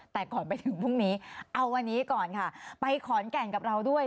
แต่ก่อนไปถึงพรุ่งนี้เอาวันนี้ก่อนค่ะไปขอนแก่นกับเราด้วย